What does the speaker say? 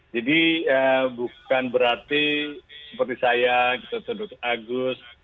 jadi bukan berarti seperti saya gitu gitu agus